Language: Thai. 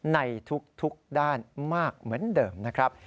ในทุกด้านมากเหมือนเดิมนะครับ